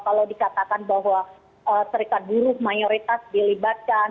kalau dikatakan bahwa serikat buruh mayoritas dilibatkan